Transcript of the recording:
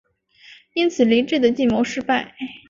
因此黎质的计谋失败。